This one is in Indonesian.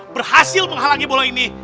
berhasil menghalangi bola ini